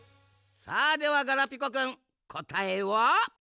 さあではガラピコくんこたえは？